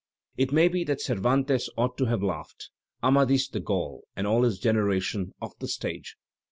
It may be that Cervantes ought to have laughed "Amadis de Gaul and all his generation" off the stage.